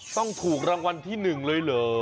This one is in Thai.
ต้องถูกรางวัลที่๑เลยเหรอ